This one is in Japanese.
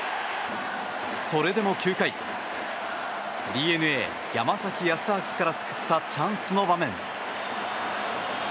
それでも９回、ＤｅＮＡ山崎康晃から作ったチャンスの場面。